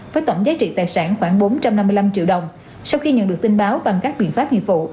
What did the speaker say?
với tổng giá trị tài sản khoảng bốn trăm năm mươi năm triệu đồng sau khi nhận được tin báo bằng các biện pháp nghiệp vụ